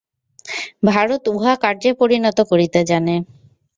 ভারত উহা কার্যে পরিণত করিতে জানে।